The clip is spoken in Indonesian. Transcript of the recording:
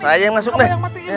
saya yang masuk deh